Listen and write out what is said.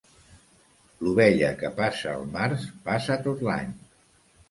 L'ovella que passa el març passa tot l'any.